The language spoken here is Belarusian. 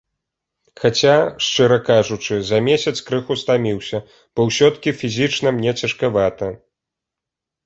Хаця, шчыра кажучы, за месяц крыху стаміўся, бо ўсё-такі фізічна мне цяжкавата.